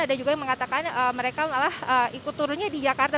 ada juga yang mengatakan mereka malah ikut turunnya di jakarta